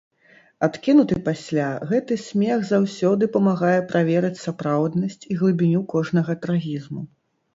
Адкінуты пасля, гэты смех заўсёды памагае праверыць сапраўднасць і глыбіню кожнага трагізму.